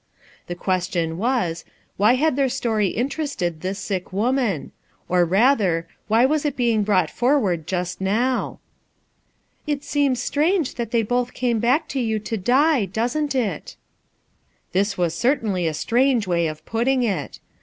The question was, Why had their story interested this sick woman? Or father, why was it being brought forward just now? "It seems strange that they both came back to you to die, doesn't it?" This was certainly a strange way of putting it !